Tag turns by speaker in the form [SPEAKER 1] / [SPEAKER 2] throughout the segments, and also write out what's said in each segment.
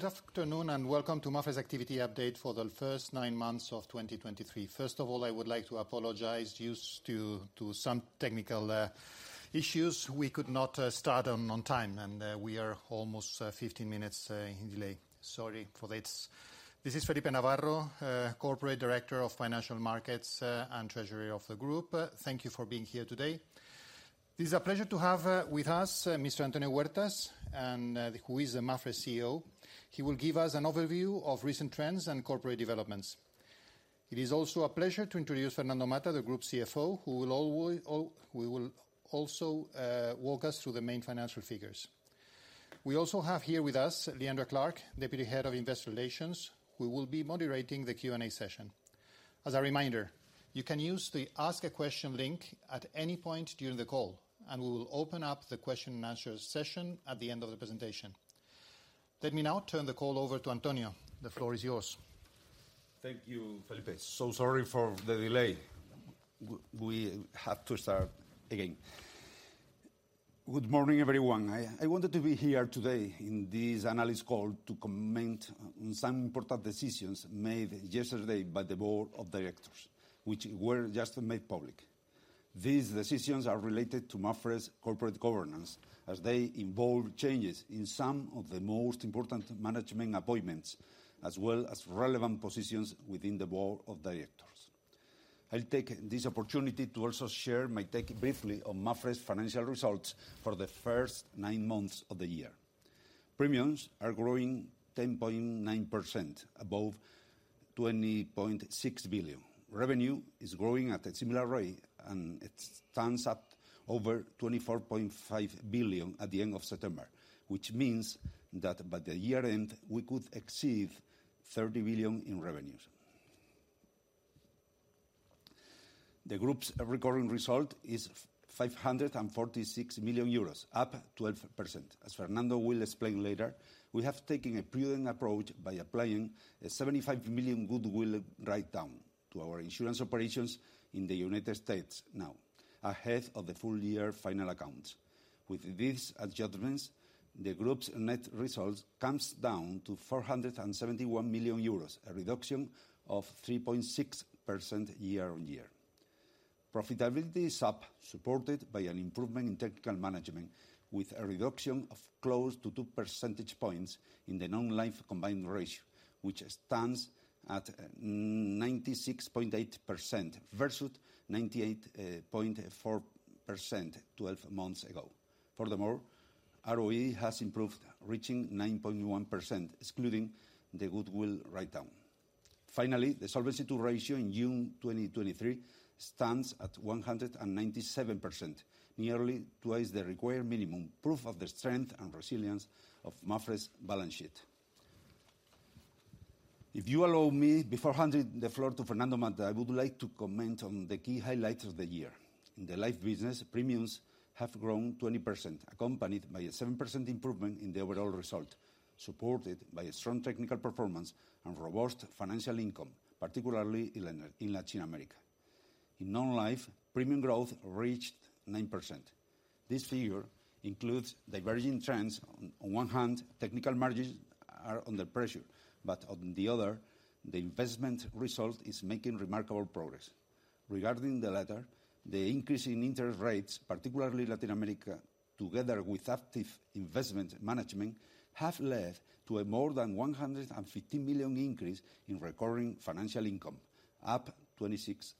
[SPEAKER 1] Good afternoon, and welcome to MAPFRE's activity update for the first nine months of 2023. First of all, I would like to apologize due to some technical issues, we could not start on time, and we are almost 15 minutes in delay. Sorry for this. This is Felipe Navarro, Corporate Director of Financial Markets, and Treasury of the Group. Thank you for being here today. It is a pleasure to have with us Mr. Antonio Huertas, who is the MAPFRE CEO. He will give us an overview of recent trends and corporate developments. It is also a pleasure to introduce Fernando Mata, the Group CFO, who will also walk us through the main financial figures. We also have here with us Leandra Clark, Deputy Head of Investor Relations, who will be moderating the Q&A session. As a reminder, you can use the Ask a Question link at any point during the call, and we will open up the question and answer session at the end of the presentation. Let me now turn the call over to Antonio. The floor is yours.
[SPEAKER 2] Thank you, Felipe. So sorry for the delay. We have to start again. Good morning, everyone. I wanted to be here today in this analyst call to comment on some important decisions made yesterday by the board of directors, which were just made public. These decisions are related to MAPFRE's corporate governance, as they involve changes in some of the most important management appointments, as well as relevant positions within the board of directors. I'll take this opportunity to also share my take briefly on MAPFRE's financial results for the first nine months of the year. Premiums are growing 10.9%, above 20.6 billion. Revenue is growing at a similar rate, and it stands at over 24.5 billion at the end of September, which means that by the year end, we could exceed 30 billion in revenues. The group's recurring result is 546 million euros, up 12%. As Fernando will explain later, we have taken a prudent approach by applying a 75 million goodwill writedown to our insurance operations in the United States now, ahead of the full year final accounts. With these adjustments, the group's net results comes down to 471 million euros, a reduction of 3.6% year-on-year. Profitability is up, supported by an improvement in technical management, with a reduction of close to two percentage points in the non-life combined ratio, which stands at 96.8% versus 98.4% 12 months ago. Furthermore, ROE has improved, reaching 9.1%, excluding the goodwill writedown. Finally, the Solvency II ratio in June 2023 stands at 197%, nearly twice the required minimum, proof of the strength and resilience of MAPFRE's balance sheet. If you allow me, before handing the floor to Fernando Mata, I would like to comment on the key highlights of the year. In the life business, premiums have grown 20%, accompanied by a 7% improvement in the overall result, supported by a strong technical performance and robust financial income, particularly in Latin America. In non-life, premium growth reached 9%. This figure includes diverging trends. On one hand, technical margins are under pressure, but on the other, the investment result is making remarkable progress. Regarding the latter, the increase in interest rates, particularly Latin America, together with active investment management, have led to a more than 150 million increase in recurring financial income, up 26%.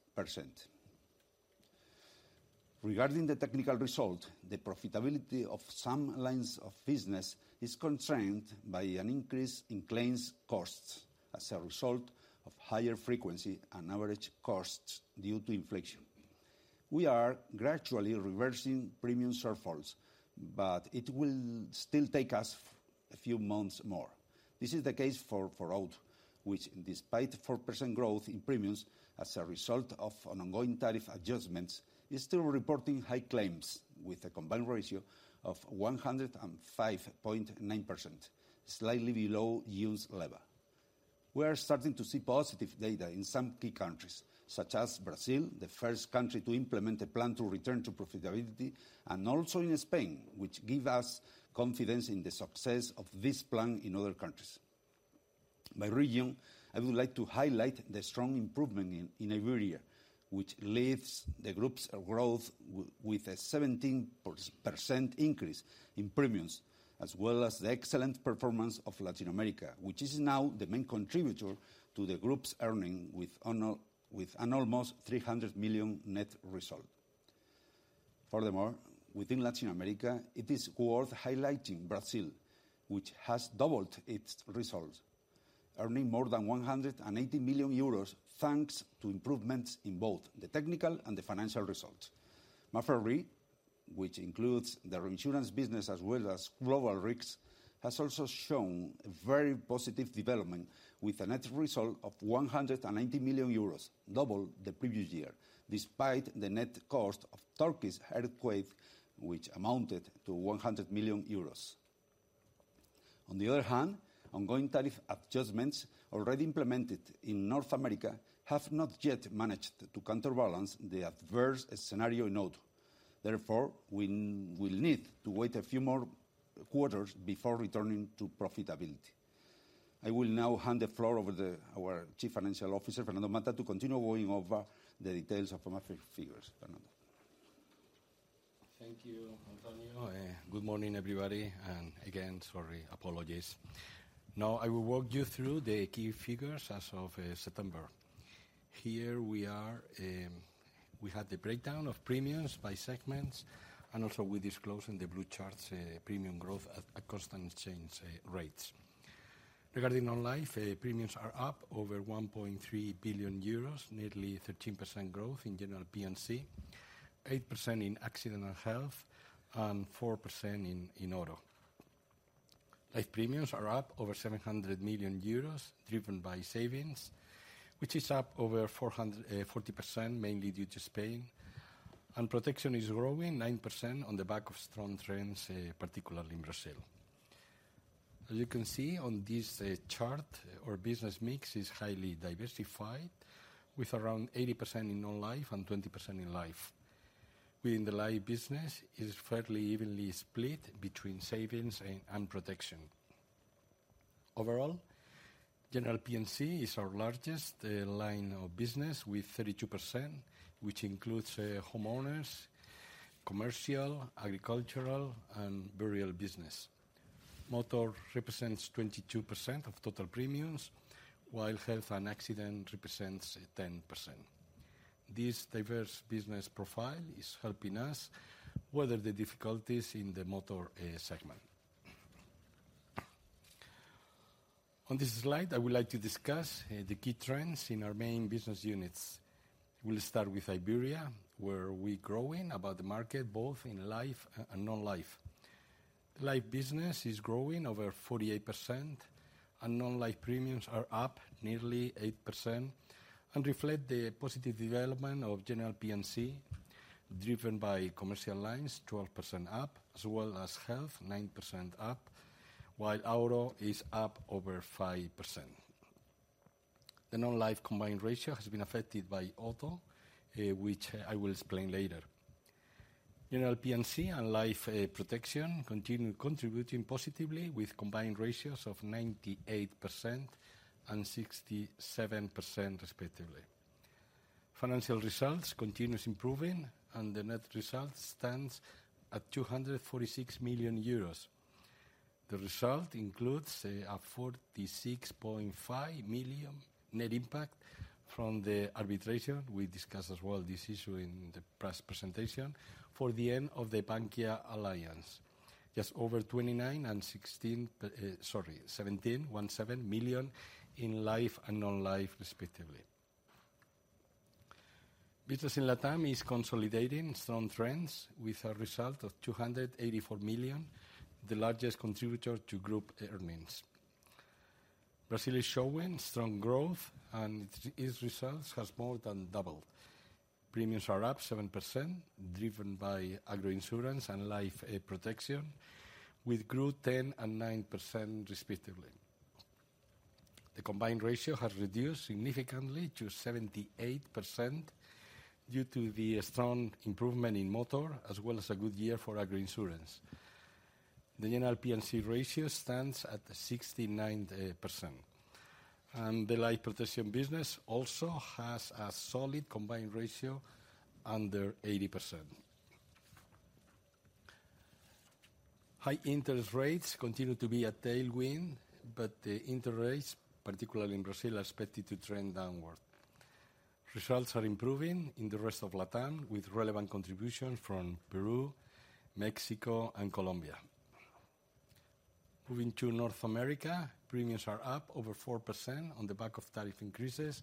[SPEAKER 2] Regarding the technical result, the profitability of some lines of business is constrained by an increase in claims costs as a result of higher frequency and average costs due to inflation. We are gradually reversing premium shortfalls, but it will still take us a few months more. This is the case for, for auto, which, despite 4% growth in premiums as a result of an ongoing tariff adjustments, is still reporting high claims with a Combined Ratio of 105.9%, slightly below year's level. We are starting to see positive data in some key countries, such as Brazil, the first country to implement a plan to return to profitability, and also in Spain, which give us confidence in the success of this plan in other countries. By region, I would like to highlight the strong improvement in Iberia, which leads the group's growth with a 17% increase in premiums, as well as the excellent performance of Latin America, which is now the main contributor to the group's earnings, with an almost 300 million net result. Furthermore, within Latin America, it is worth highlighting Brazil, which has doubled its results, earning more than 180 million euros, thanks to improvements in both the technical and the financial results. MAPFRE, which includes the reinsurance business as well as Global Risks, has also shown very positive development with a net result of 190 million euros, double the previous year, despite the net cost of Turkey's earthquake, which amounted to 100 million euros. On the other hand, ongoing tariff adjustments already implemented in North America have not yet managed to counterbalance the adverse scenario in auto... therefore, we will need to wait a few more quarters before returning to profitability. I will now hand the floor over to our Chief Financial Officer, Fernando Mata, to continue going over the details of our figures. Fernando?
[SPEAKER 3] Thank you, Antonio. Good morning, everybody, and again, sorry, apologies. Now, I will walk you through the key figures as of September. Here we are, we have the breakdown of premiums by segments, and also we disclose in the blue charts, premium growth at constant exchange rates. Regarding non-life, premiums are up over 1.3 billion euros, nearly 13% growth in General P&C, 8% in accident and health, and 4% in auto. Life premiums are up over 700 million euros, driven by savings, which is up over 440%, mainly due to Spain. Protection is growing 9% on the back of strong trends, particularly in Brazil. As you can see on this chart, our business mix is highly diversified, with around 80% in non-life and 20% in life. Within the life business, it is fairly evenly split between savings and protection. Overall, General P&C is our largest line of business with 32%, which includes homeowners, commercial, agricultural, and burial business. Motor represents 22% of total premiums, while health and accident represents 10%. This diverse business profile is helping us weather the difficulties in the motor segment. On this slide, I would like to discuss the key trends in our main business units. We'll start with Iberia, where we're growing above the market, both in life and non-life. Life business is growing over 48%, and non-life premiums are up nearly 8% and reflect the positive development of General P&C, driven by commercial lines, 12% up, as well as health, 9% up, while auto is up over 5%. The non-life combined ratio has been affected by auto, which I will explain later. General P&C and life protection continue contributing positively with combined ratios of 98% and 67% respectively. Financial results continues improving, and the net result stands at 246 million euros. The result includes a 46.5 million net impact from the arbitration. We discussed as well this issue in the press presentation for the end of the Bankia alliance, just over 29 and 17 million in life and non-life respectively. Business in LATAM is consolidating strong trends with a result of 284 million, the largest contributor to group earnings. Brazil is showing strong growth, and its results has more than doubled. Premiums are up 7%, driven by agro insurance and life protection, which grew 10% and 9% respectively. The combined ratio has reduced significantly to 78% due to the strong improvement in motor, as well as a good year for agro insurance. The General P&C ratio stands at 69%, and the life protection business also has a solid combined ratio under 80%. High interest rates continue to be a tailwind, but the interest rates, particularly in Brazil, are expected to trend downward. Results are improving in the rest of LATAM, with relevant contributions from Peru, Mexico, and Colombia. Moving to North America, premiums are up over 4% on the back of tariff increases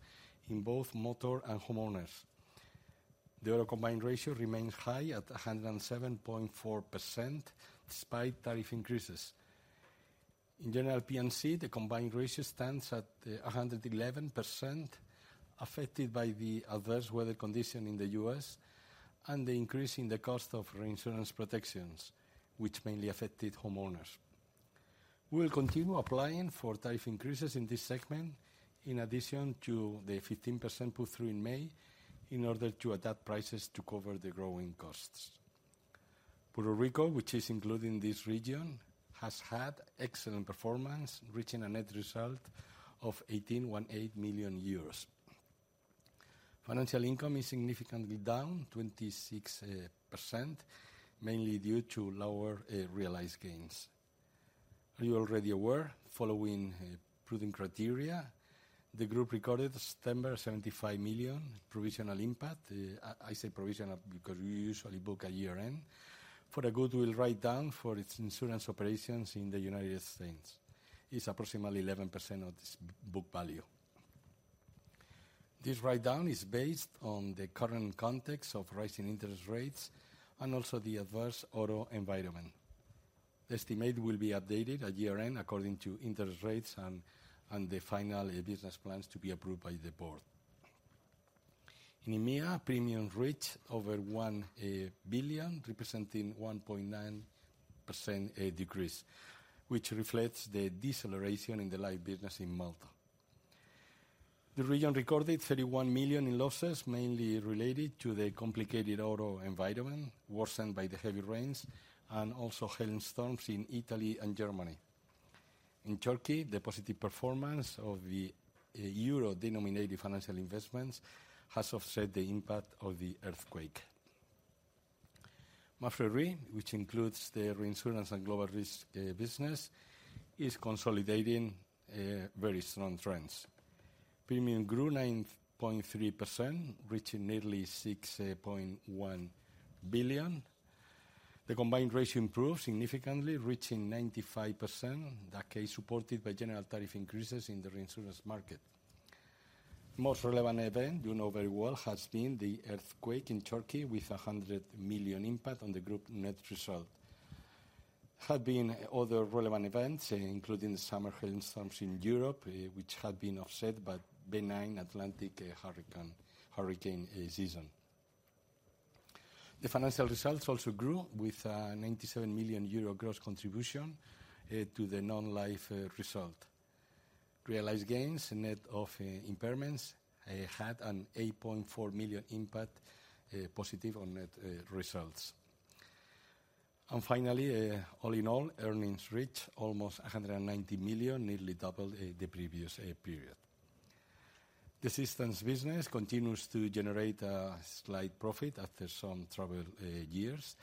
[SPEAKER 3] in both motor and homeowners. The other combined ratio remains high at 107.4%, despite tariff increases. In General P&C, the combined ratio stands at 111%, affected by the adverse weather condition in the U.S. and the increase in the cost of reinsurance protections, which mainly affected homeowners. We will continue applying for tariff increases in this segment, in addition to the 15% pull-through in May, in order to adapt prices to cover the growing costs. Puerto Rico, which is included in this region, has had excellent performance, reaching a net result of 18.18 million euros. Financial income is significantly down 26%, mainly due to lower realized gains. You are already aware, following prudent criteria, the group recorded September 75 million provisional impact. I say provisional because we usually book at year-end, for a goodwill write-down for its insurance operations in the United States. It's approximately 11% of this book value. This write-down is based on the current context of rising interest rates and also the adverse auto environment. The estimate will be updated at year-end according to interest rates and the final business plans to be approved by the board. In EMEA, premiums reached over 1 billion, representing a 1.9% decrease, which reflects the deceleration in the life business in Malta. The region recorded 31 million in losses, mainly related to the complicated auto environment, worsened by the heavy rains and also hailstorms in Italy and Germany. In Turkey, the positive performance of the euro-denominated financial investments has offset the impact of the earthquake. MAPFRE RE, which includes the reinsurance and global risk business, is consolidating very strong trends. Premium grew 9.3%, reaching nearly 6.1 billion. The combined ratio improved significantly, reaching 95%, that case supported by general tariff increases in the reinsurance market. Most relevant event, you know very well, has been the earthquake in Turkey, with a 100 million impact on the group net result. Have been other relevant events, including the summer hailstorms in Europe, which have been offset by benign Atlantic hurricane season. The financial results also grew with 97 million euro gross contribution to the non-life result. Realized gains, net of impairments, had an 8.4 million impact, positive on net results. And finally, all in all, earnings reached almost 190 million, nearly double the previous period. The systems business continues to generate a slight profit after some troubled years.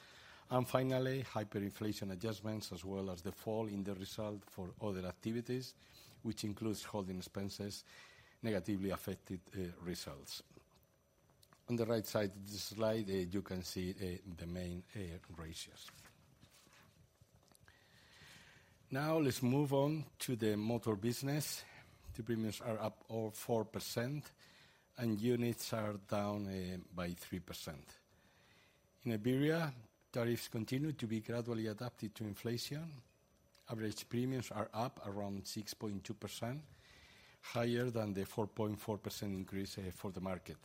[SPEAKER 3] Finally, hyperinflation adjustments, as well as the fall in the result for other activities, which includes holding expenses, negatively affected results. On the right side of this slide, you can see the main ratios. Now, let's move on to the motor business. The premiums are up over 4%, and units are down by 3%. In Iberia, tariffs continue to be gradually adapted to inflation. Average premiums are up around 6.2%, higher than the 4.4% increase for the market.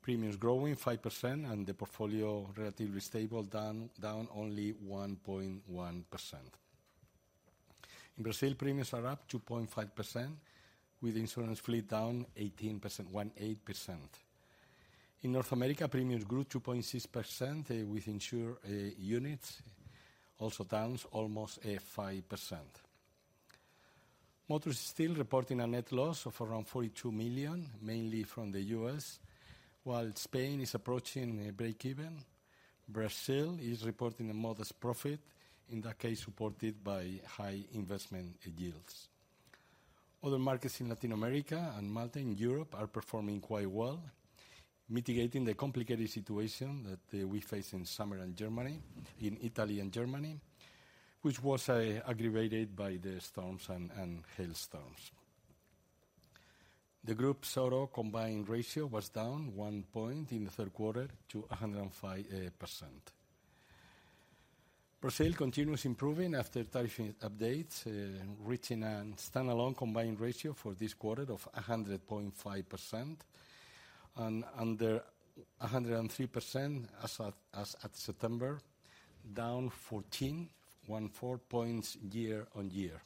[SPEAKER 3] Premiums growing 5%, and the portfolio relatively stable, down only 1.1%. In Brazil, premiums are up 2.5%, with insurance fleet down 18%. In North America, premiums grew 2.6%, with insured units also down almost 5%. Motor is still reporting a net loss of around $42 million, mainly from the U.S. While Spain is approaching a breakeven, Brazil is reporting a modest profit, in that case, supported by high investment yields. Other markets in Latin America and Malta in Europe are performing quite well, mitigating the complicated situation that we face in summer in Italy and Germany, which was aggravated by the storms and hailstorms. The group's auto combined ratio was down one point in the third quarter to 105%. Brazil continues improving after tariff updates, reaching a standalone combined ratio for this quarter of 100.5%, and under 103% as at September, down 14 points year-on-year.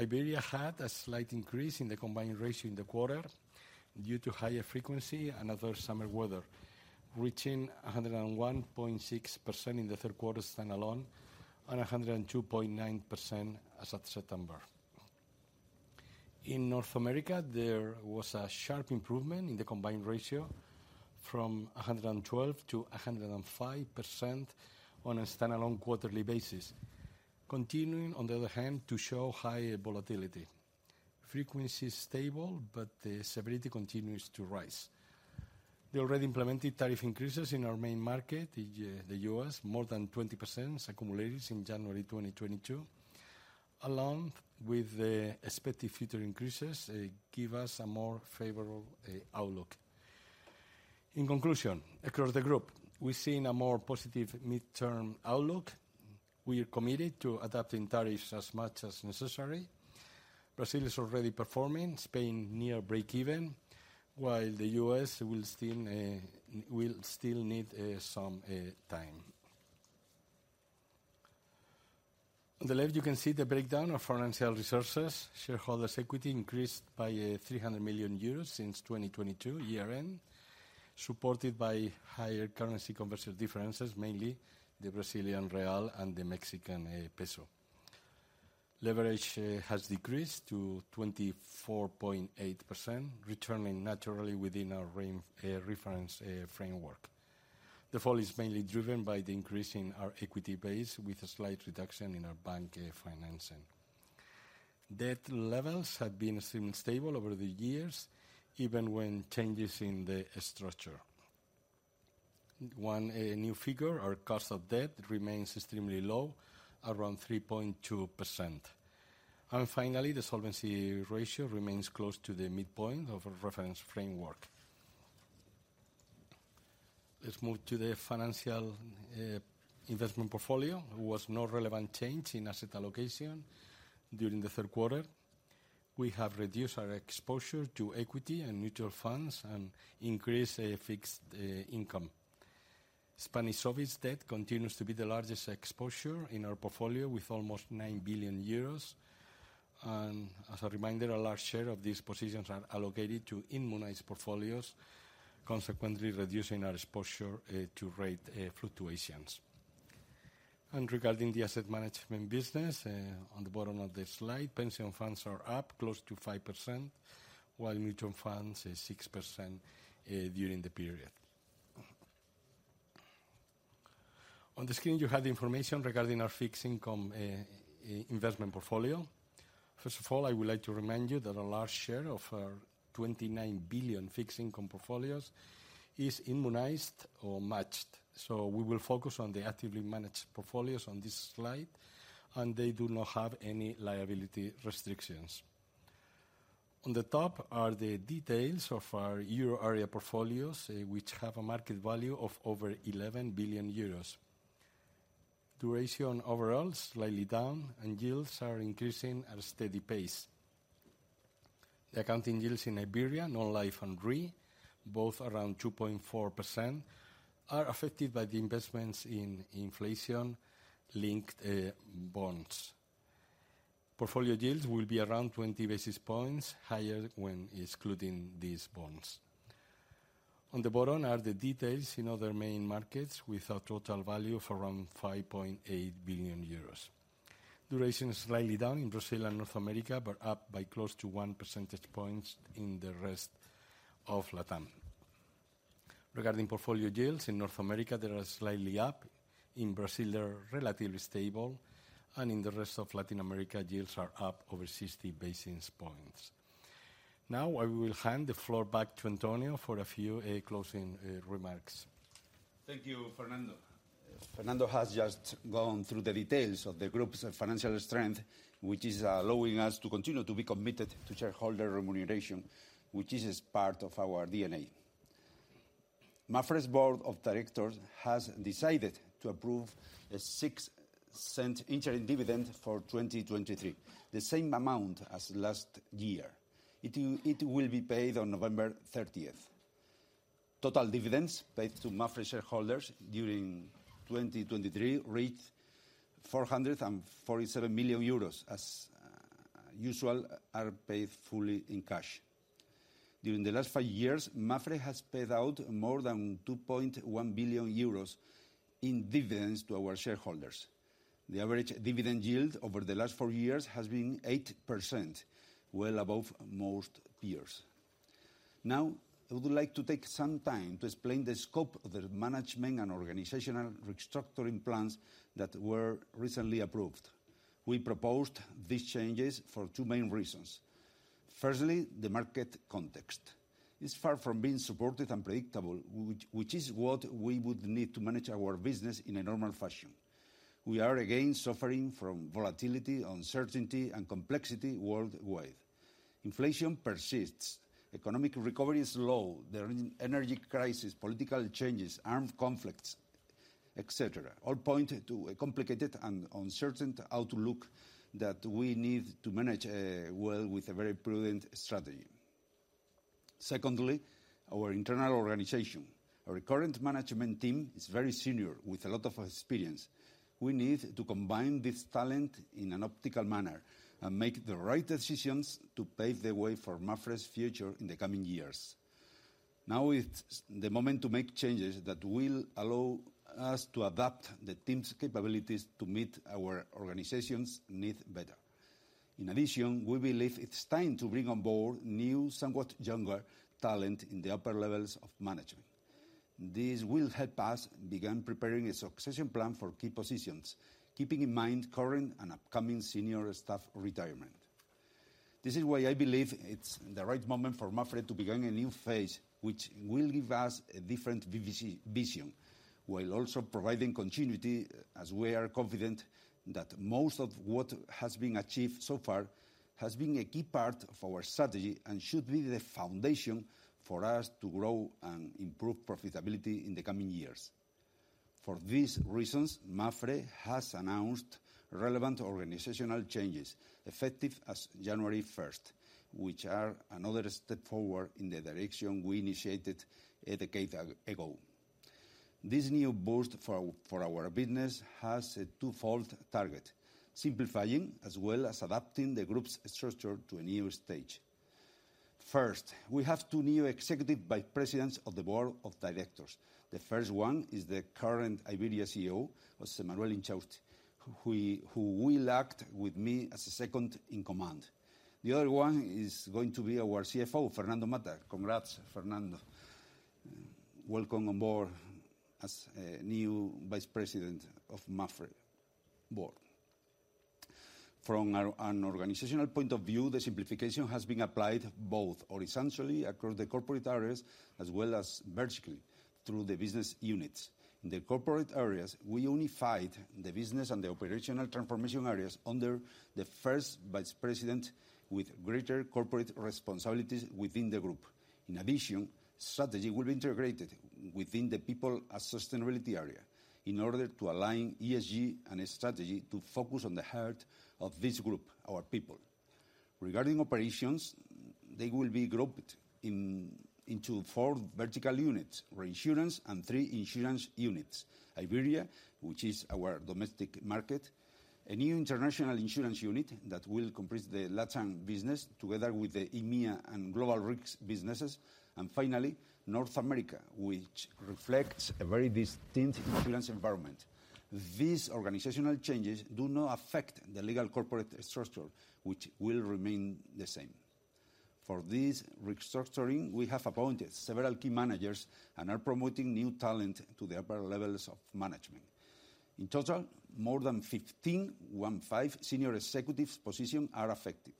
[SPEAKER 3] Iberia had a slight increase in the Combined Ratio in the quarter due to higher frequency and other summer weather, reaching 101.6% in the third quarter standalone, and 102.9% as of September. In North America, there was a sharp improvement in the Combined Ratio from 112-105% on a standalone quarterly basis, continuing, on the other hand, to show high volatility. Frequency is stable, but the severity continues to rise. The already implemented tariff increases in our main market, the U.S., more than 20% accumulators in January 2022, along with the expected future increases, give us a more favorable outlook. In conclusion, across the group, we're seeing a more positive midterm outlook. We are committed to adapting tariffs as much as necessary. Brazil is already performing, Spain near breakeven, while the U.S. will still need some time. On the left, you can see the breakdown of financial resources. Shareholders' equity increased by 300 million euros since 2022 year-end, supported by higher currency conversion differences, mainly the Brazilian real and the Mexican peso. Leverage has decreased to 24.8%, returning naturally within our reference framework. The fall is mainly driven by the increase in our equity base, with a slight reduction in our bank financing. Debt levels have been stable over the years, even when changes in the structure. One new figure, our cost of debt, remains extremely low, around 3.2%. Finally, the solvency ratio remains close to the midpoint of a reference framework. Let's move to the financial investment portfolio. There was no relevant change in asset allocation during the third quarter. We have reduced our exposure to equity and mutual funds and increased fixed income. Spanish office debt continues to be the largest exposure in our portfolio, with almost 9 billion euros. And as a reminder, a large share of these positions are allocated to immunized portfolios, consequently reducing our exposure to rate fluctuations. And regarding the asset management business, on the bottom of the slide, pension funds are up close to 5%, while mutual funds is 6% during the period. On the screen, you have the information regarding our fixed income investment portfolio. First of all, I would like to remind you that a large share of our 29 billion fixed income portfolios is immunized or matched, so we will focus on the actively managed portfolios on this slide, and they do not have any liability restrictions. On the top are the details of our euro area portfolios, which have a market value of over 11 billion euros. Duration overall, slightly down, and yields are increasing at a steady pace. The accounting yields in Iberia, Non-life and Re, both around 2.4%, are affected by the investments in inflation-linked bonds. Portfolio yields will be around 20 basis points higher when excluding these bonds. On the bottom are the details in other main markets, with a total value of around 5.8 billion euros. Duration is slightly down in Brazil and North America, but up by close to one percentage points in the rest of Latin. Regarding portfolio yields, in North America, they are slightly up. In Brazil, they're relatively stable, and in the rest of Latin America, yields are up over 60 basis points. Now, I will hand the floor back to Antonio for a few closing remarks.
[SPEAKER 2] Thank you, Fernando. Fernando has just gone through the details of the group's financial strength, which is allowing us to continue to be committed to shareholder remuneration, which is as part of our DNA. MAPFRE's board of directors has decided to approve a 0.06 interim dividend for 2023, the same amount as last year. It will be paid on November 30. Total dividends paid to MAPFRE shareholders during 2023 reached 447 million euros, as usual, are paid fully in cash. During the last five years, MAPFRE has paid out more than 2.1 billion euros in dividends to our shareholders. The average dividend yield over the last four years has been 8%, well above most peers. Now, I would like to take some time to explain the scope of the management and organizational restructuring plans that were recently approved. We proposed these changes for two main reasons. Firstly, the market context. It's far from being supported and predictable, which is what we would need to manage our business in a normal fashion. We are again suffering from volatility, uncertainty, and complexity worldwide. Inflation persists, economic recovery is low, the energy crisis, political changes, armed conflicts, et cetera, all point to a complicated and uncertain outlook that we need to manage well with a very prudent strategy. Secondly, our internal organization. Our current management team is very senior, with a lot of experience. We need to combine this talent in an optimal manner and make the right decisions to pave the way for MAPFRE's future in the coming years. Now is the moment to make changes that will allow us to adapt the team's capabilities to meet our organization's needs better. In addition, we believe it's time to bring on board new, somewhat younger talent in the upper levels of management. This will help us begin preparing a succession plan for key positions, keeping in mind current and upcoming senior staff retirement. This is why I believe it's the right moment for MAPFRE to begin a new phase, which will give us a different vision, while also providing continuity, as we are confident that most of what has been achieved so far has been a key part of our strategy and should be the foundation for us to grow and improve profitability in the coming years. For these reasons, MAPFRE has announced relevant organizational changes, effective as January 1st, which are another step forward in the direction we initiated a decade ago. This new boost for our business has a twofold target: simplifying, as well as adapting the group's structure to a new stage. First, we have two new Executive Vice Presidents of the board of directors. The first one is the current Iberia CEO, José Manuel Inchausti, who will act with me as a second in command. The other one is going to be our CFO, Fernando Mata. Congrats, Fernando. Welcome on board as new vice president of MAPFRE board. From an organizational point of view, the simplification has been applied both horizontally across the corporate areas, as well as vertically through the business units. In the corporate areas, we unified the business and the operational transformation areas under the first vice president with greater corporate responsibilities within the group. In addition, strategy will be integrated within the people and sustainability area in order to align ESG and its strategy to focus on the heart of this group, our people. Regarding operations, they will be grouped into four vertical units: reinsurance and three insurance units. Iberia, which is our domestic market, a new international insurance unit that will comprise the LATAM business, together with the EMEA and global risks businesses. Finally, North America, which reflects a very distinct insurance environment. These organizational changes do not affect the legal corporate structure, which will remain the same. For this restructuring, we have appointed several key managers and are promoting new talent to the upper levels of management. In total, more than 15, one-five, senior executives positions are affected.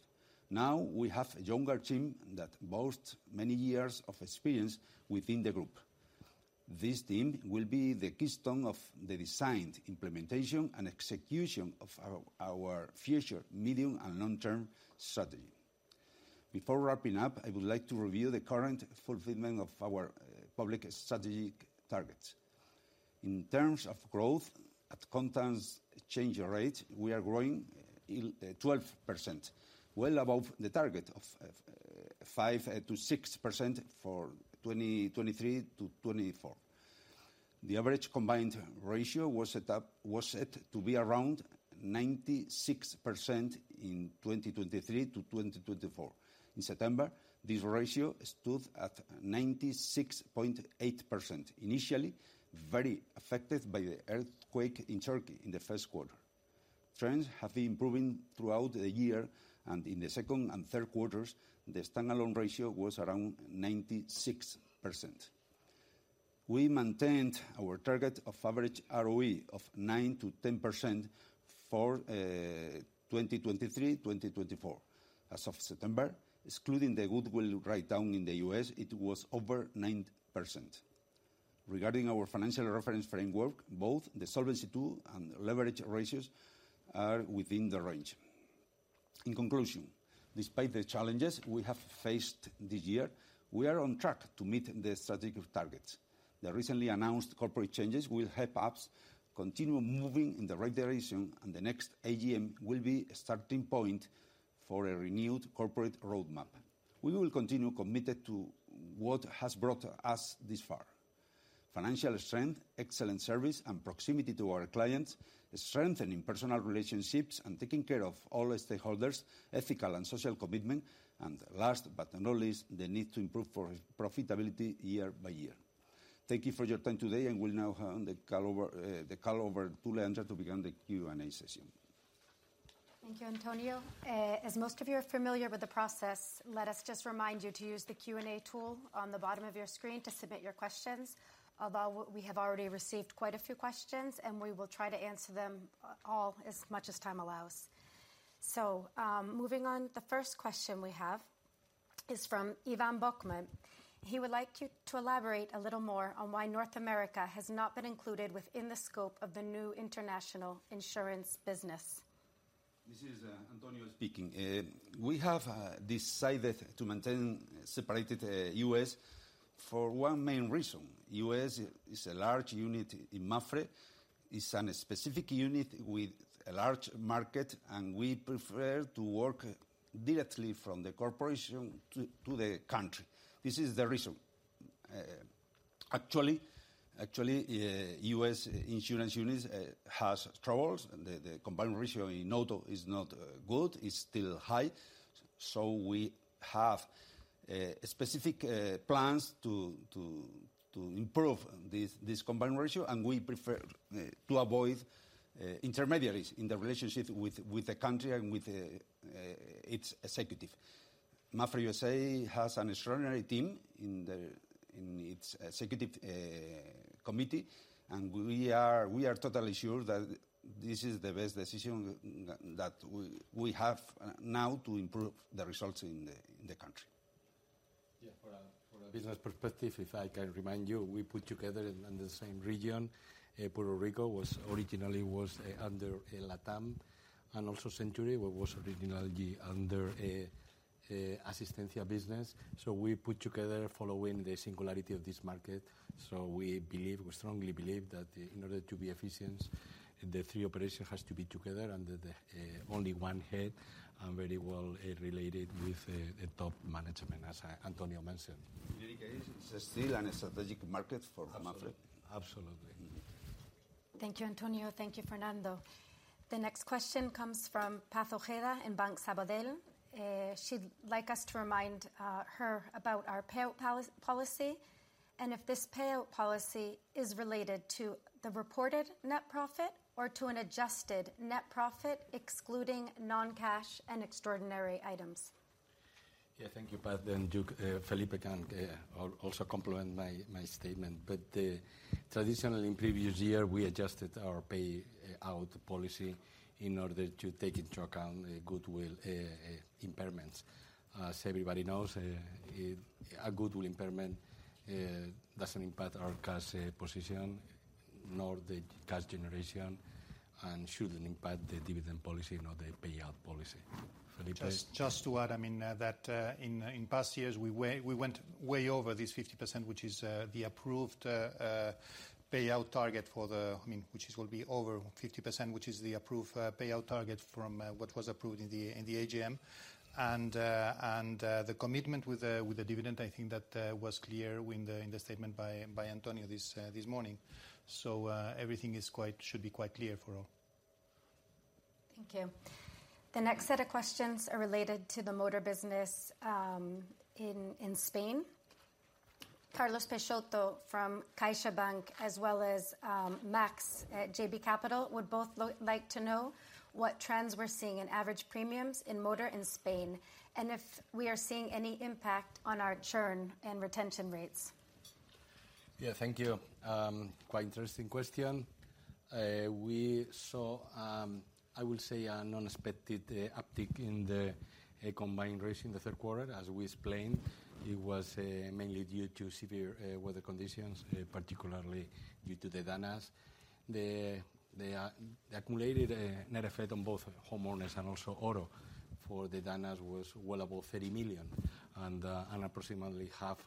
[SPEAKER 2] Now, we have a younger team that boasts many years of experience within the group. This team will be the keystone of the designed implementation and execution of our, our future medium and long-term strategy. Before wrapping up, I would like to review the current fulfillment of our public strategic targets. In terms of growth, at constant change rate, we are growing 12%, well above the target of 5%-6% for 2023-2024. The average combined ratio was set up, was set to be around 96% in 2023-2024. In September, this ratio stood at 96.8%, initially very affected by the earthquake in Turkey in the first quarter. Trends have been improving throughout the year, and in the second and third quarters, the standalone ratio was around 96%. We maintained our target of average ROE of 9%-10% for 2023-2024. As of September, excluding the goodwill write-down in the U.S., it was over 9%. Regarding our financial reference framework, both the Solvency II and leverage ratios are within the range. In conclusion, despite the challenges we have faced this year, we are on track to meet the strategic targets. The recently announced corporate changes will help us continue moving in the right direction, and the next AGM will be a starting point for a renewed corporate roadmap. We will continue committed to what has brought us this far: financial strength, excellent service, and proximity to our clients, strengthening personal relationships and taking care of all stakeholders, ethical and social commitment, and last but not least, the need to improve for profitability year by year. Thank you for your time today, and we'll now hand the call over to Leandra to begin the Q&A session.
[SPEAKER 4] Thank you, Antonio. As most of you are familiar with the process, let us just remind you to use the Q&A tool on the bottom of your screen to submit your questions. Although, we have already received quite a few questions, and we will try to answer them all as much as time allows. Moving on, the first question we have is from Ivan Bokhmat. He would like you to elaborate a little more on why North America has not been included within the scope of the new international insurance business.
[SPEAKER 2] This is Antonio speaking. We have decided to maintain separated U.S. for one main reason. U.S. is a large unit in MAPFRE. It's an specific unit with a large market, and we prefer to work directly from the corporation to the country. This is the reason. Actually, U.S. insurance units has troubles, and the combined ratio in auto is not good, it's still high. So we have specific plans to improve this combined ratio, and we prefer to avoid intermediaries in the relationship with the country and with its executive. MAPFRE USA has an extraordinary team in its executive committee, and we are totally sure that this is the best decision that we have now to improve the results in the country.
[SPEAKER 3] Yeah, for a business perspective, if I can remind you, we put together in the same region, Puerto Rico was originally under LATAM, and also Century was originally under Asistencia business. So we put together following the singularity of this market. So we believe, we strongly believe that in order to be efficient, the three operations has to be together under the only one head and very well related with the top management, as Antonio mentioned.
[SPEAKER 2] In any case, it's still a strategic market for MAPFRE.
[SPEAKER 3] Absolutely.
[SPEAKER 4] Thank you, Antonio. Thank you, Fernando. The next question comes from Paz Ojeda at Banco Sabadell. She'd like us to remind her about our payout policy, and if this payout policy is related to the reported net profit or to an adjusted net profit, excluding non-cash and extraordinary items.
[SPEAKER 3] Yeah, thank you, Paz, and Felipe can also complement my statement. Traditionally, in previous years, we adjusted our payout policy in order to take into account the goodwill impairments. As everybody knows, a goodwill impairment doesn't impact our cash position or the cash generation, and shouldn't impact the dividend policy nor the payout policy. Felipe?
[SPEAKER 1] Just to add, I mean, that in past years, we went way over this 50%, which is the approved payout target for the... I mean, which is, will be over 50%, which is the approved payout target from what was approved in the AGM. And the commitment with the dividend, I think that was clear in the statement by Antonio this morning. So, everything should be quite clear for all.
[SPEAKER 4] Thank you. The next set of questions are related to the motor business in Spain. Carlos Peixoto from CaixaBank, as well as Max at JB Capital, would both like to know what trends we're seeing in average premiums in motor and Spain, and if we are seeing any impact on our churn and retention rates.
[SPEAKER 3] Yeah. Thank you. Quite interesting question. We saw, I will say, an unexpected uptick in the combined ratio in the third quarter. As we explained, it was mainly due to severe weather conditions, particularly due to the DANA. The accumulated net effect on both homeowners and also auto for the DANAs was well above 30 million, and approximately half,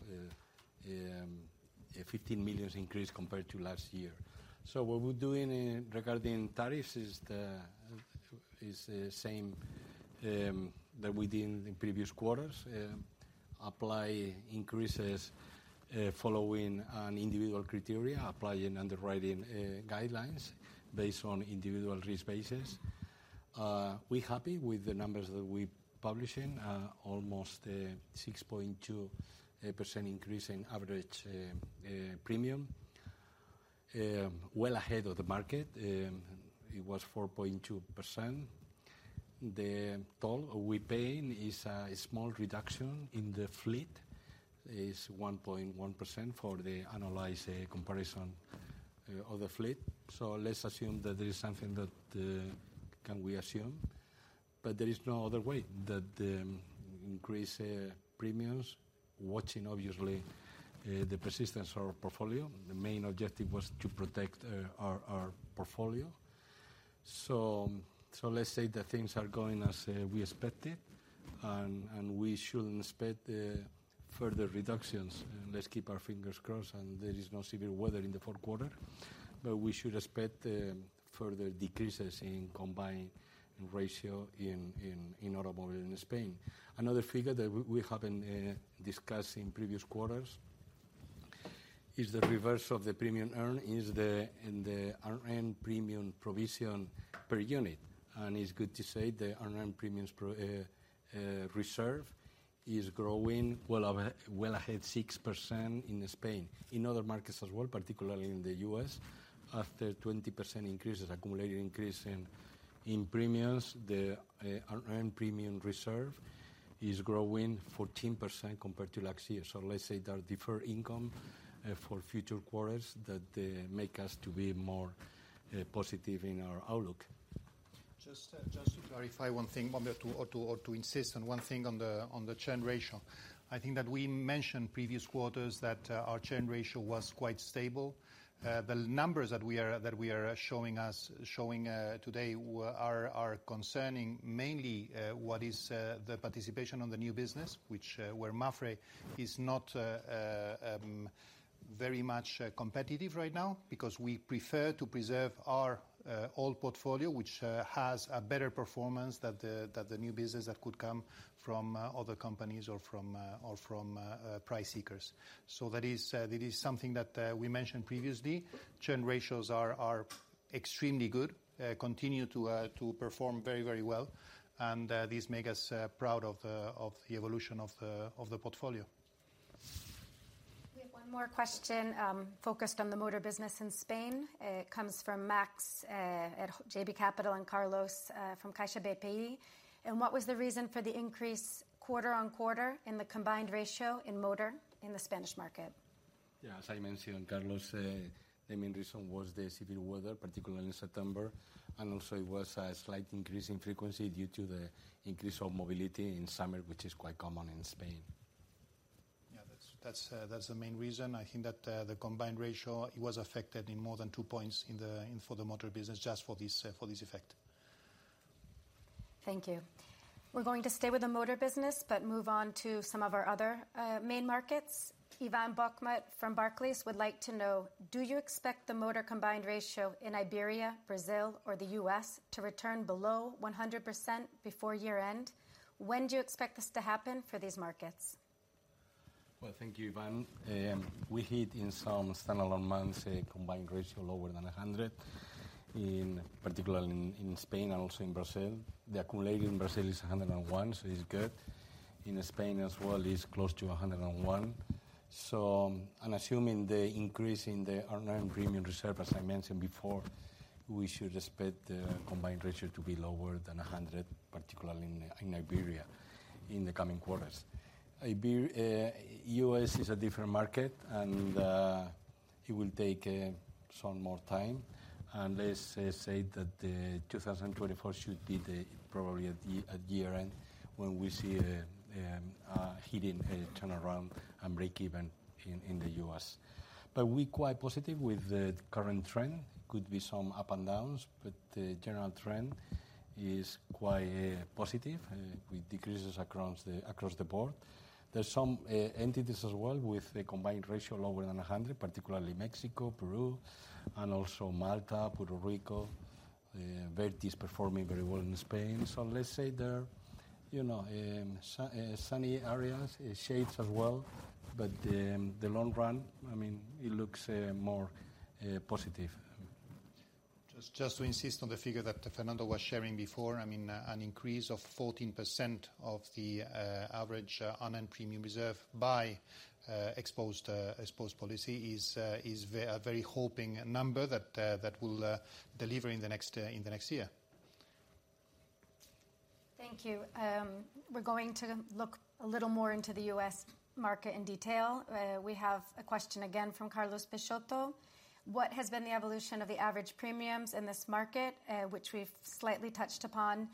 [SPEAKER 3] 15 million increase compared to last year. So what we're doing regarding tariffs is the same that we did in the previous quarters. Apply increases, following an individual criteria, applying underwriting guidelines based on individual risk basis. We're happy with the numbers that we're publishing. Almost 6.2% increase in average premium. Well ahead of the market, it was 4.2%. The toll we pay is a small reduction in the fleet. Is 1.1% for the analyst comparison of the fleet. So let's assume that there is something that can we assume, but there is no other way that increase premiums, watching obviously the persistence of our portfolio. The main objective was to protect our portfolio. So let's say that things are going as we expected, and we shouldn't expect further reductions. Let's keep our fingers crossed, and there is no severe weather in the fourth quarter. But we should expect further decreases in Combined Ratio in automobile in Spain. Another figure that we have discussed in previous quarters is the reverse of the premium earn in the unearned premium reserve per unit. It's good to say the unearned premium reserve is growing well over 6% in Spain. In other markets as well, particularly in the U.S., after 20% increase, accumulated increase in premiums, the unearned premium reserve is growing 14% compared to last year. Let's say there are different income for future quarters that make us to be more positive in our outlook.
[SPEAKER 1] Just to clarify one thing, or to insist on one thing on the churn ratio. I think that we mentioned previous quarters, that our churn ratio was quite stable. The numbers that we are showing today are concerning mainly what is the participation on the new business, which where MAPFRE is not very much competitive right now. Because we prefer to preserve our old portfolio, which has a better performance than the new business that could come from other companies or from price seekers. So that is something that we mentioned previously. Churn ratios are extremely good, continue to perform very, very well. These make us proud of the evolution of the portfolio.
[SPEAKER 4] We have one more question, focused on the motor business in Spain. It comes from Max, at JB Capital and Carlos, from CaixaBank, and what was the reason for the increase quarter-on-quarter in the Combined Ratio in motor in the Spanish market?
[SPEAKER 3] Yeah, as I mentioned, Carlos, the main reason was the severe weather, particularly in September, and also it was a slight increase in frequency due to the increase of mobility in summer, which is quite common in Spain.
[SPEAKER 1] Yeah, that's the main reason. I think that the Combined Ratio was affected in more than 2 points in the motor business, just for this effect.
[SPEAKER 4] Thank you. We're going to stay with the motor business, but move on to some of our other main markets. Ivan Bokhmat from Barclays would like to know: Do you expect the motor combined ratio in Iberia, Brazil, or the U.S. to return below 100% before year-end? When do you expect this to happen for these markets?
[SPEAKER 3] Well, thank you, Ivan. We hit in some standalone months, a combined ratio lower than 100, particularly in Spain and also in Brazil. The accumulated in Brazil is 101, so it's good. In Spain as well, it's close to 101. So I'm assuming the increase in the unearned premium reserve, as I mentioned before, we should expect the combined ratio to be lower than 100, particularly in Iberia, in the coming quarters. U.S. is a different market, and it will take some more time... and let's say that 2024 should be the, probably at the, at year-end, when we see a hidden turnaround and breakeven in the U.S. But we're quite positive with the current trend. Could be some up and downs, but the general trend is quite positive with decreases across the across the board. There's some entities as well with a Combined Ratio lower than 100, particularly Mexico, Peru, and also Malta, Puerto Rico. Verti is performing very well in Spain. So let's say there are, you know, sunny areas, shades as well, but the long run, I mean, it looks more positive.
[SPEAKER 1] Just to insist on the figure that Fernando was sharing before, I mean, an increase of 14% of the average unearned premium reserve by exposed policy is a very hoping number that will deliver in the next year.
[SPEAKER 4] Thank you. We're going to look a little more into the U.S. market in detail. We have a question again from Carlos Peixoto. What has been the evolution of the average premiums in this market, which we've slightly touched upon?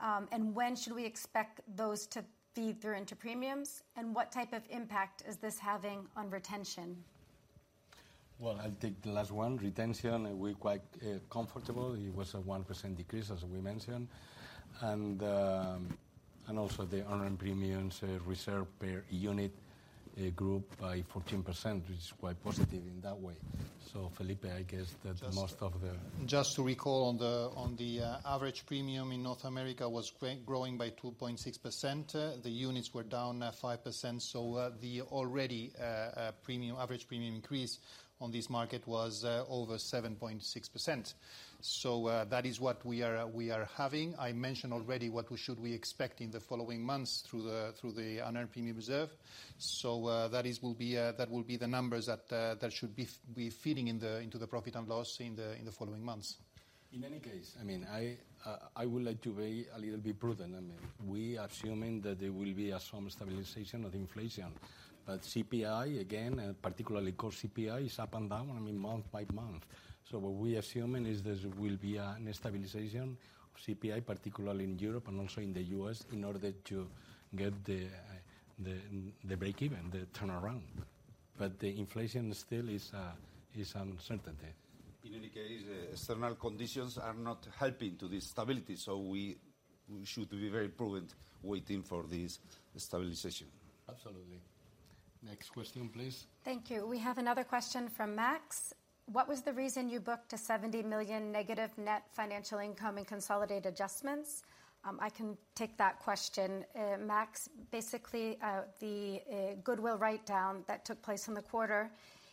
[SPEAKER 4] And when should we expect those to feed through into premiums? And what type of impact is this having on retention?
[SPEAKER 3] Well, I'll take the last one. Retention, we're quite comfortable. It was a 1% decrease, as we mentioned. And, and also the unearned premiums reserve per unit grew by 14%, which is quite positive in that way. So, Felipe, I guess that most of the-
[SPEAKER 1] Just to recall, the average premium in North America was growing by 2.6%. The units were down 5%, so the average premium increase on this market was over 7.6%. So, that is what we are having. I mentioned already what we should expect in the following months through the unearned premium reserve. So, that will be the numbers that should be feeding into the profit and loss in the following months.
[SPEAKER 3] In any case, I mean, I, I would like to be a little bit prudent. I mean, we are assuming that there will be, some stabilization of inflation, but CPI, again, and particularly core CPI, is up and down, I mean, month by month. So what we're assuming is there will be, a stabilization of CPI, particularly in Europe and also in the U.S., in order to get the, the, the breakeven, the turnaround. But the inflation still is, is uncertainty.
[SPEAKER 2] In any case, certain conditions are not helping to this stability, so we should be very prudent waiting for this stabilization.
[SPEAKER 3] Absolutely. Next question, please.
[SPEAKER 4] Thank you. We have another question from Max: What was the reason you booked a -70 million negative net financial income in consolidated adjustments? I can take that question. Max, basically, the goodwill write-down that took place in the quarter,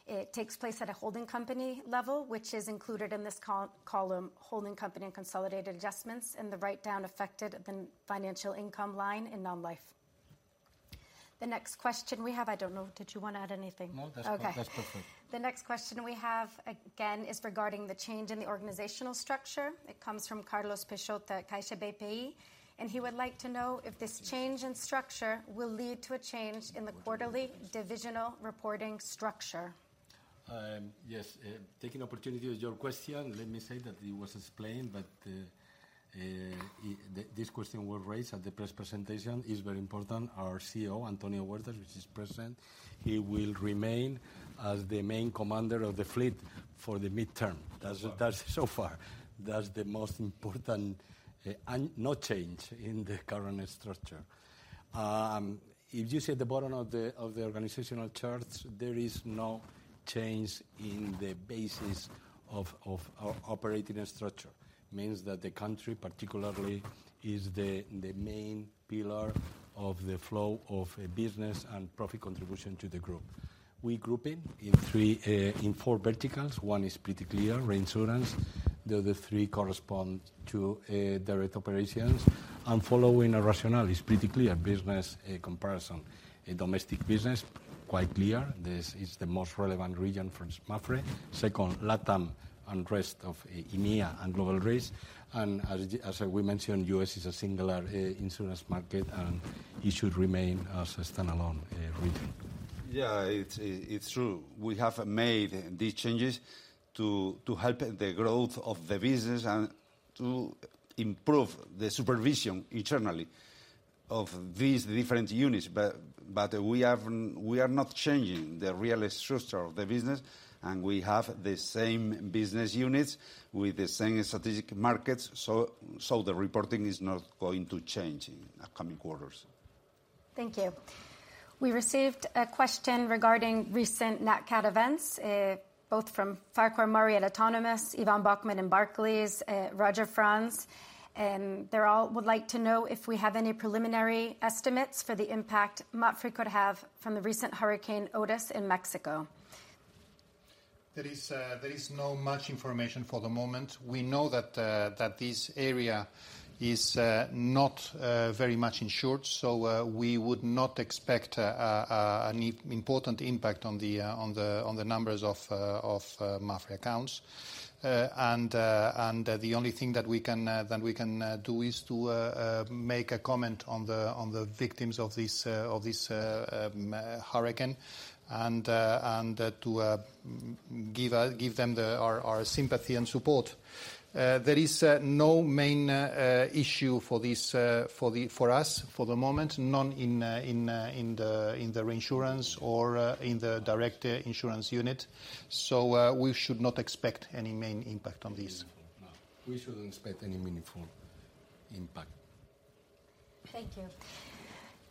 [SPEAKER 4] it takes place at a holding company level, which is included in this column, holding company and consolidated adjustments, and the write-down affected the financial income line in non-life. The next question we have... I don't know, did you want to add anything?
[SPEAKER 3] No, that's perfect.
[SPEAKER 4] Okay. The next question we have, again, is regarding the change in the organizational structure. It comes from Carlos Peixoto at CaixaBank, and he would like to know if this change in structure will lead to a change in the quarterly divisional reporting structure.
[SPEAKER 3] Yes. Taking opportunity with your question, let me say that it was explained, but this question was raised at the press presentation, is very important. Our CEO, Antonio Huertas, which is present, he will remain as the main commander of the fleet for the midterm. That's, that's so far, that's the most important, and no change in the current structure. If you see the bottom of the organizational charts, there is no change in the basis of operating structure. Means that the country particularly is the main pillar of the flow of business and profit contribution to the group. We grouping in three, in four verticals. One is pretty clear, reinsurance. The other three correspond to direct operations, and following a rationale is pretty clear business comparison. In domestic business, quite clear. This is the most relevant region for MAPFRE. Second, LATAM and rest of, EMEA and Global Risks. And as, as, we mentioned, U.S. is a singular, insurance market, and it should remain as a standalone, region.
[SPEAKER 2] Yeah, it's true. We have made these changes to help the growth of the business and to improve the supervision internally of these different units. But we haven't, we are not changing the real structure of the business, and we have the same business units with the same strategic markets, so the reporting is not going to change in the coming quarters.
[SPEAKER 4] Thank you. We received a question regarding recent Nat Cat events, both from Farquhar Murray at Autonomous, Ivan Bokhmat and Barclays, Roger Franz. They all would like to know if we have any preliminary estimates for the impact MAPFRE could have from the recent hurricane Otis in Mexico.
[SPEAKER 5] There is not much information for the moment. We know that this area is not very much insured, so we would not expect an important impact on the numbers of MAPFRE accounts. And the only thing that we can do is to make a comment on the victims of this hurricane, and to give them our sympathy and support. There is no main issue for this for us for the moment, none in the reinsurance or in the direct insurance unit. So, we should not expect any main impact on this.
[SPEAKER 3] We shouldn't expect any meaningful impact.
[SPEAKER 4] Thank you.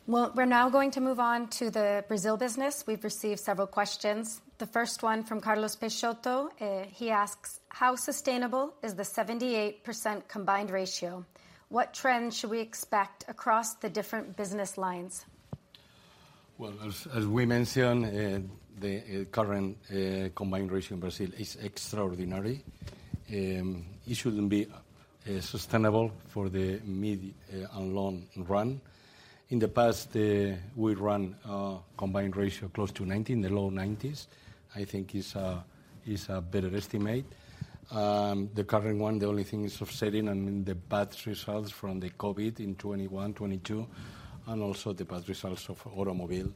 [SPEAKER 4] Well, we're now going to move on to the Brazil business. We've received several questions. The first one from Carlos Peixoto, he asks: "How sustainable is the 78% combined ratio? What trends should we expect across the different business lines?
[SPEAKER 3] Well, as we mentioned, the current combined ratio in Brazil is extraordinary. It shouldn't be sustainable for the mid and long run. In the past, we run combined ratio close to 90, in the low 90s, I think is a better estimate. The current one, the only thing is offsetting and the bad results from the COVID in 2021, 2022, and also the bad results of automobile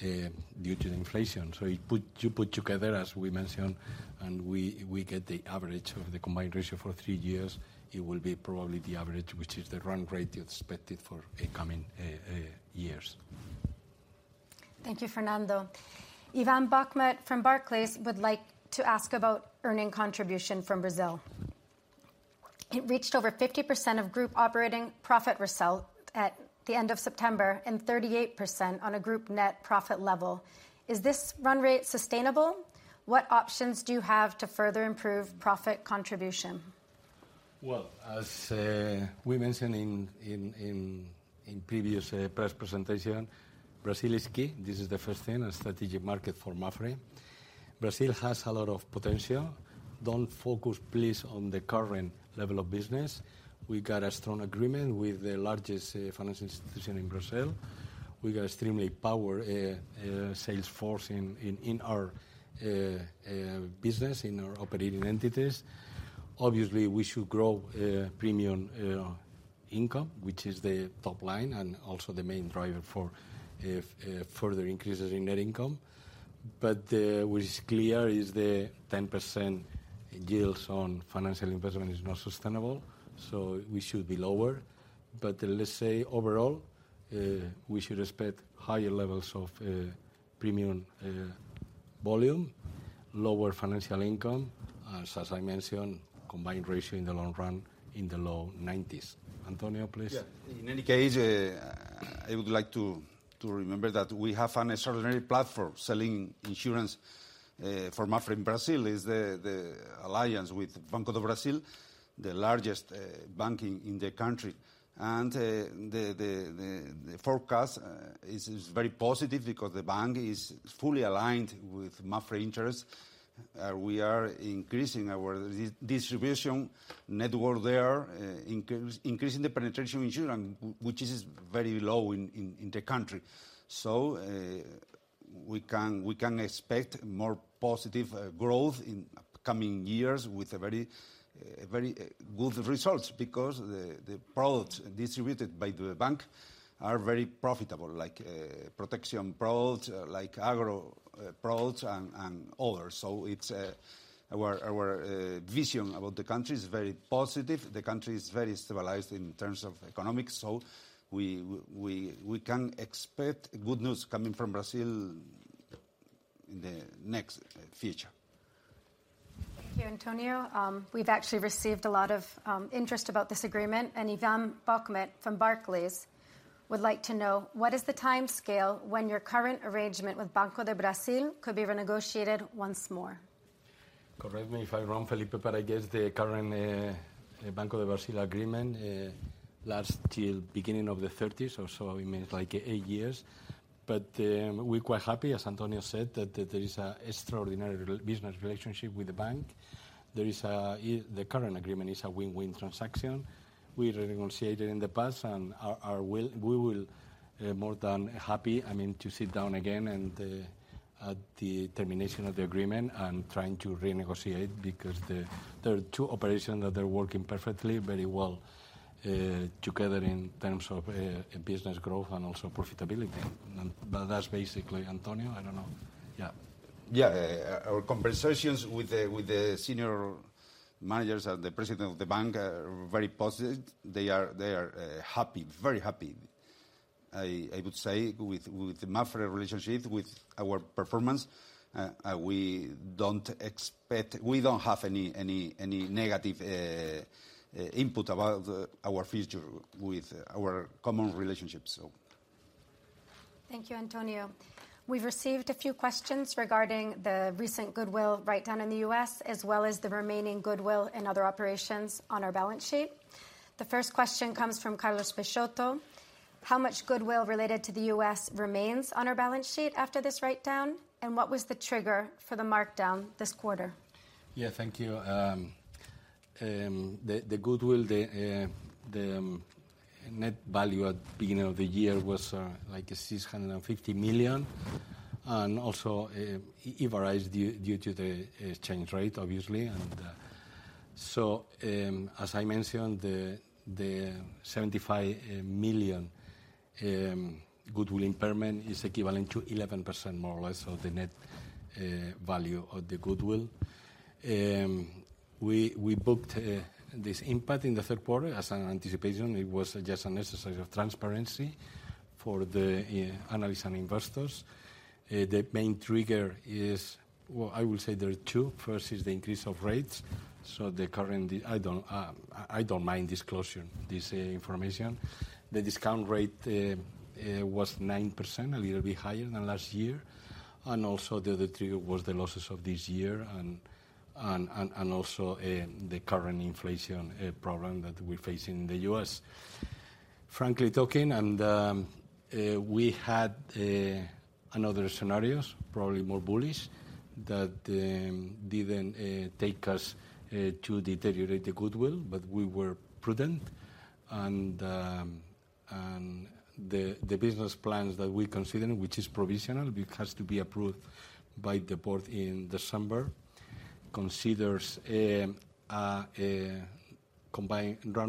[SPEAKER 3] due to the inflation. So you put together, as we mentioned, and we get the average of the combined ratio for three years, it will be probably the average, which is the run rate expected for a coming years.
[SPEAKER 4] Thank you, Fernando. Ivan Bokhmat from Barclays would like to ask about earnings contribution from Brazil. It reached over 50% of group operating profit result at the end of September and 38% on a group net profit level. Is this run rate sustainable? What options do you have to further improve profit contribution?
[SPEAKER 3] Well, as we mentioned in previous press presentation, Brazil is key. This is the first thing, a strategic market for MAPFRE. Brazil has a lot of potential. Don't focus, please, on the current level of business. We got a strong agreement with the largest financial institution in Brazil. We got extremely power sales force in our business, in our operating entities. Obviously, we should grow premium income, which is the top line, and also the main driver for further increases in net income. But what is clear is the 10% yields on financial investment is not sustainable, so we should be lower. Let's say, overall, we should expect higher levels of premium volume, lower financial income, and as I mentioned, Combined Ratio in the long run, in the low 90s. Antonio, please?
[SPEAKER 2] Yeah. In any case, I would like to remember that we have an extraordinary platform. Selling insurance for MAPFRE in Brazil is the alliance with Banco do Brasil, the largest bank in the country. The forecast is very positive because the bank is fully aligned with MAPFRE interest. We are increasing our distribution network there, increasing the penetration insurance, which is very low in the country. So we can expect more positive growth in coming years with very good results because the products distributed by the bank are very profitable, like protection products, like agro products and others. So it's our vision about the country is very positive. The country is very stabilized in terms of economics, so we can expect good news coming from Brazil in the next future.
[SPEAKER 4] Thank you, Antonio. We've actually received a lot of interest about this agreement, and Ivan Bokhmat from Barclays would like to know, what is the timescale when your current arrangement with Banco do Brasil could be renegotiated once more?
[SPEAKER 5] Correct me if I'm wrong, Felipe, but I guess the current Banco do Brasil agreement lasts till beginning of the 2030s or so. I mean, it's like eight years. But we're quite happy, as Antonio said, that there is an extraordinary business relationship with the bank. There is the current agreement is a win-win transaction. We renegotiated in the past and we will more than happy, I mean, to sit down again and at the termination of the agreement and trying to renegotiate, because there are two operations that are working perfectly very well together in terms of business growth and also profitability. But that's basically... Antonio, I don't know. Yeah.
[SPEAKER 2] Yeah. Our conversations with the senior managers and the president of the bank are very positive. They are happy, very happy, I would say, with the MAPFRE relationship, with our performance. We don't expect... We don't have any negative input about our future with our common relationship, so.
[SPEAKER 4] Thank you, Antonio. We've received a few questions regarding the recent goodwill write-down in the U.S., as well as the remaining goodwill in other operations on our balance sheet. The first question comes from Carlos Peixoto—how much goodwill related to the U.S. remains on our balance sheet after this write-down, and what was the trigger for the markdown this quarter?
[SPEAKER 3] Yeah, thank you. The goodwill, the net value at beginning of the year was like 650 million, and also it varied due to the exchange rate, obviously. And so as I mentioned, the 75 million goodwill impairment is equivalent to 11%, more or less, of the net value of the goodwill. We booked this impact in the third quarter as an anticipation. It was just an exercise of transparency for the analysts and investors. The main trigger is... Well, I will say there are two. First is the increase of rates, so the current I don't mind disclosing this information. The discount rate was 9%, a little bit higher than last year, and also, the other trigger was the losses of this year and also the current inflation problem that we face in the U.S. Frankly talking, we had another scenarios, probably more bullish, that didn't take us to deteriorate the goodwill, but we were prudent. The business plans that we're considering, which is provisional, it has to be approved by the board in December, considers a run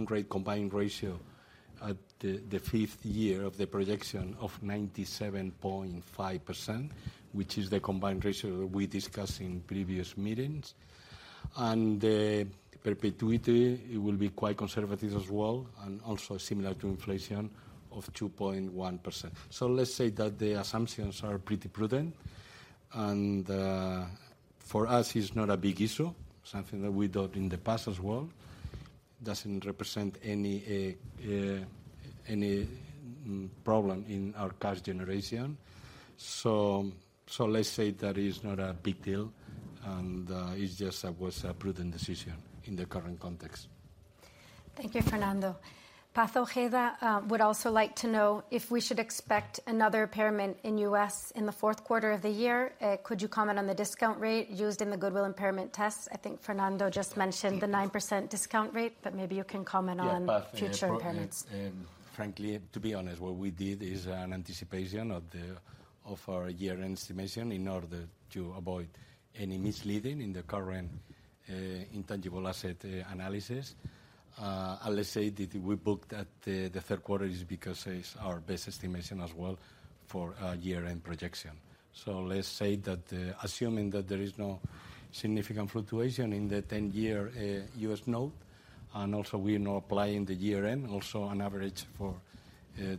[SPEAKER 3] rate combined ratio at the fifth year of the projection of 97.5%, which is the combined ratio we discussed in previous meetings. The perpetuity, it will be quite conservative as well, and also similar to inflation of 2.1%. So let's say that the assumptions are pretty prudent, and, for us, it's not a big issue, something that we did in the past as well. Doesn't represent any problem in our cash generation. So let's say that is not a big deal, and, it's just was a prudent decision in the current context.
[SPEAKER 4] Thank you, Fernando. Paz Ojeda would also like to know if we should expect another impairment in U.S. in the fourth quarter of the year. Could you comment on the discount rate used in the goodwill impairment test? I think Fernando just mentioned the 9% discount rate, but maybe you can comment on-
[SPEAKER 3] Yeah, Paz,
[SPEAKER 4] -future impairments.
[SPEAKER 3] Frankly, to be honest, what we did is an anticipation of the, of our year-end estimation in order to avoid any misleading in the current, intangible asset, analysis. And let's say that we booked at the, the third quarter is because it's our best estimation as well for our year-end projection. So let's say that, assuming that there is no significant fluctuation in the 10-year, U.S. note, and also we're not applying the year-end, also on average for,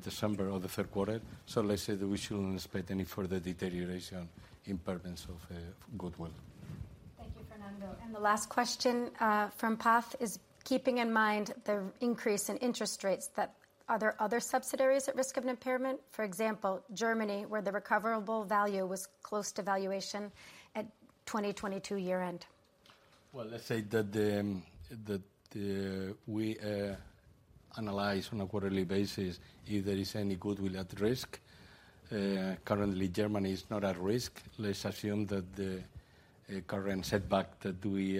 [SPEAKER 3] December or the third quarter. So let's say that we shouldn't expect any further deterioration impairments of, goodwill.
[SPEAKER 4] Thank you, Fernando. The last question from Paz is: keeping in mind the increase in interest rates, are there other subsidiaries at risk of impairment? For example, Germany, where the recoverable value was close to valuation at 2022 year-end.
[SPEAKER 3] Well, let's say that, that, we analyze on a quarterly basis if there is any goodwill at risk. Currently, Germany is not at risk. Let's assume that the current setback that we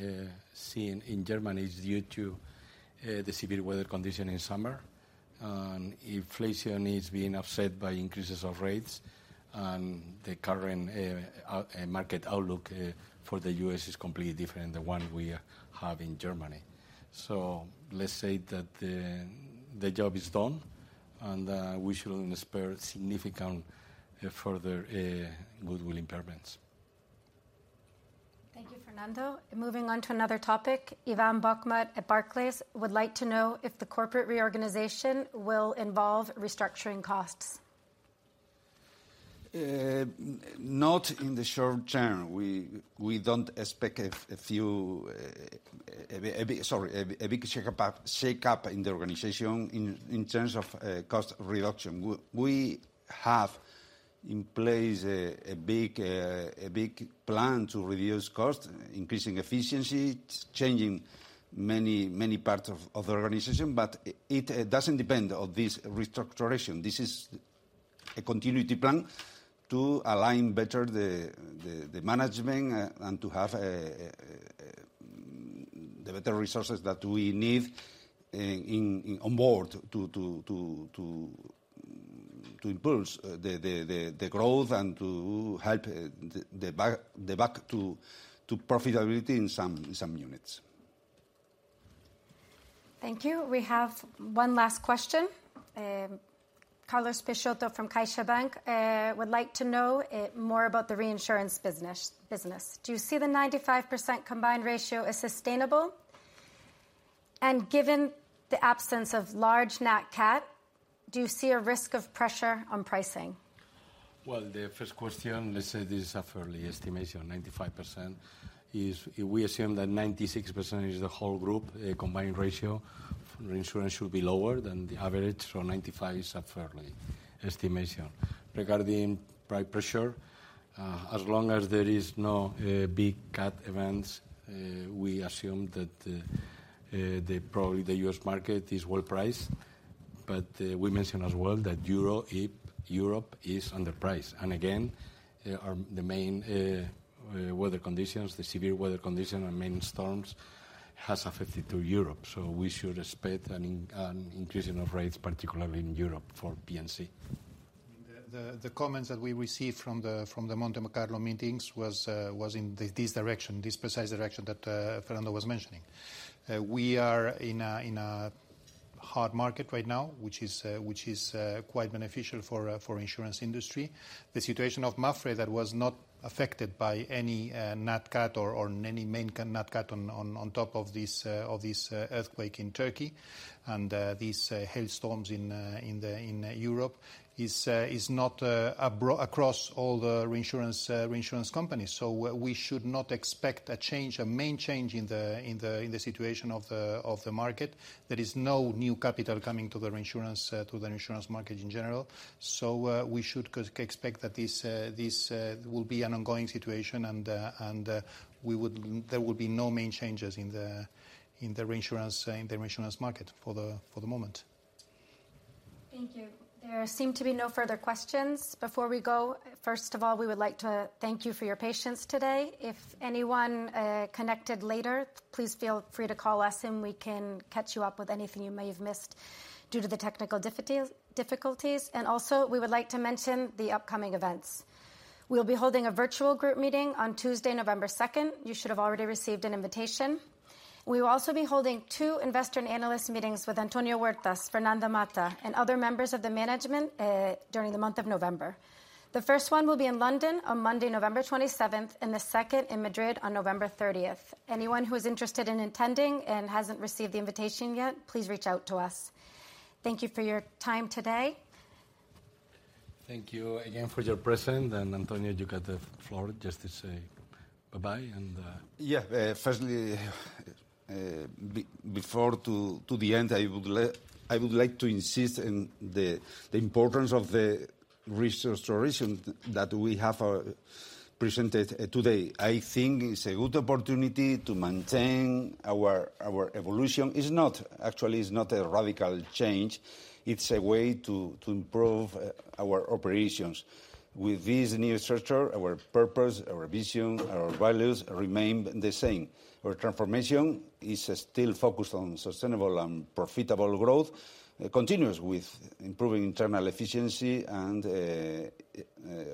[SPEAKER 3] see in Germany is due to the severe weather condition in summer. And inflation is being offset by increases of rates, and the current market outlook for the U.S. is completely different than the one we have in Germany. So let's say that the job is done, and we shouldn't expect significant further goodwill impairments.
[SPEAKER 4] Thank you, Fernando. Moving on to another topic, Ivan Bokhmat at Barclays would like to know if the corporate reorganization will involve restructuring costs.
[SPEAKER 3] Not in the short term. We don't expect a big shakeup in the organization in terms of cost reduction. We have in place a big plan to reduce cost, increasing efficiency, changing many, many parts of the organization, but it doesn't depend on this restructuration. This is a continuity plan to align better the management, and to have the better resources that we need on board to improve the growth and to help the back to profitability in some units.
[SPEAKER 4] Thank you. We have one last question. Carlos Peixoto from CaixaBank would like to know more about the reinsurance business. Do you see the 95% combined ratio as sustainable? And given the absence of large Nat Cat, do you see a risk of pressure on pricing?
[SPEAKER 3] Well, the first question, let's say this is a fairly estimation, 95%, is we assume that 96% is the whole group combined ratio. Reinsurance should be lower than the average, so 95% is a fairly estimation. Regarding price pressure, as long as there is no big cat events, we assume that the probably the U.S. market is well-priced. But, we mentioned as well that Euro, Europe is underpriced. And again, our, the main weather conditions, the severe weather condition and main storms has affected to Europe, so we should expect an increasing of rates, particularly in Europe for P&C.
[SPEAKER 1] The comments that we received from the Monte Carlo meetings was in this direction, this precise direction that Fernando was mentioning. We are in a hard market right now, which is quite beneficial for the insurance industry. The situation of MAPFRE, that was not affected by any Nat Cat or any main Nat Cat on top of this earthquake in Turkey and these hailstorms in Europe is not across all the reinsurance companies. So we should not expect a change, a main change in the situation of the market. There is no new capital coming to the reinsurance market in general. We should expect that this will be an ongoing situation, and we would, there would be no main changes in the reinsurance market for the moment.
[SPEAKER 4] Thank you. There seem to be no further questions. Before we go, first of all, we would like to thank you for your patience today. If anyone connected later, please feel free to call us, and we can catch you up with anything you may have missed due to the technical difficulties. We would like to mention the upcoming events. We'll be holding a virtual group meeting on Tuesday, November 2nd. You should have already received an invitation. We will also be holding two investor and analyst meetings with Antonio Huertas, Fernando Mata, and other members of the management during the month of November. The first one will be in London on Monday, November 27th, and the second in Madrid on November 30th. Anyone who is interested in attending and hasn't received the invitation yet, please reach out to us. Thank you for your time today.
[SPEAKER 1] Thank you again for your presence, and Antonio, you got the floor just to say bye-bye and.
[SPEAKER 2] Yeah. Firstly, before the end, I would like to insist on the importance of the research solution that we have presented today. I think it's a good opportunity to maintain our evolution. It's not, actually, it's not a radical change. It's a way to improve our operations. With this new structure, our purpose, our vision, our values remain the same. Our transformation is still focused on sustainable and profitable growth, continuous with improving internal efficiency and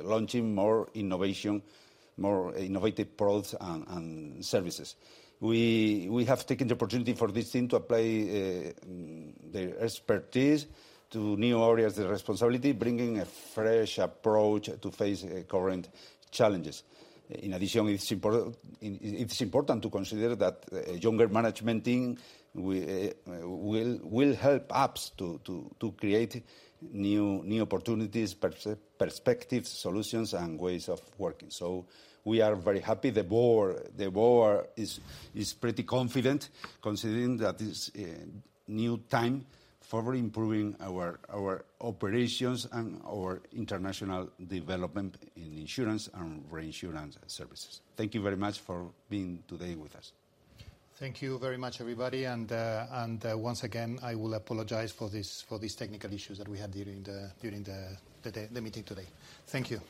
[SPEAKER 2] launching more innovation, more innovative products and services. We have taken the opportunity for this team to apply their expertise to new areas of responsibility, bringing a fresh approach to face current challenges. In addition, it's important to consider that a younger management team will help us to create new opportunities, perspectives, solutions, and ways of working. So we are very happy. The board is pretty confident, considering that this new time for improving our operations and our international development in insurance and reinsurance services. Thank you very much for being today with us.
[SPEAKER 1] Thank you very much, everybody. Once again, I will apologize for this, for these technical issues that we had during the meeting today. Thank you.